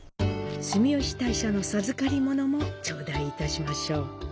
住吉大社の授かり物をちょうだいいたしましょう。